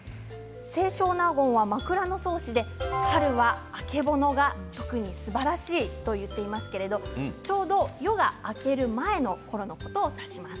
清少納言は「枕草子」で春はあけぼのが特にすばらしいと言っていますけれどもちょうど夜が明ける前のころのことを指します。